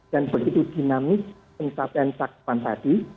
dan begitu dinamis pencapaian cakpan tadi